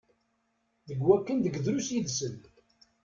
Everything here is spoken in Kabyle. Deg wakken deg drus yid-sen.